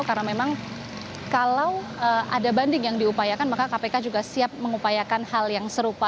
karena memang kalau ada banding yang diupayakan maka kpk juga siap mengupayakan hal yang serupa